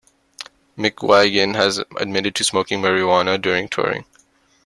McGuigan has admitted to smoking marijuana during touring.